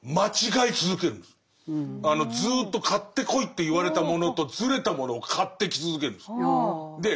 ずっと買ってこいって言われたものとずれたものを買ってき続けるんです。